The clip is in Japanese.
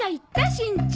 しんちゃん。